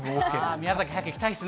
宮崎、早く行きたいですね。